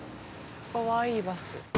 かわいいバス。